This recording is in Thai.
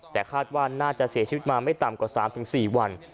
แต่คาดว่าน่าจะเสียชีวิตมาไม่ต่ำกว่า๓๔วัน